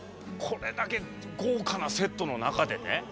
これだけ豪華なセットの中でね